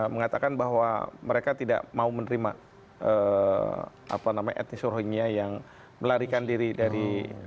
mengatakan bahwa mereka tidak mau menerima etnis rohingya yang melarikan diri dari